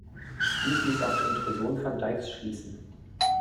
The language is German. Dies ließ auf die Intrusion von Dykes schließen.